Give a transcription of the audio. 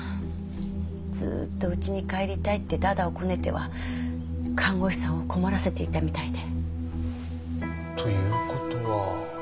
ずっと家に帰りたいって駄々をこねては看護師さんを困らせていたみたいで。という事は。